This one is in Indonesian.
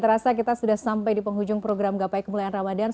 terima kasih atas program gapai kemuliaan ramadhan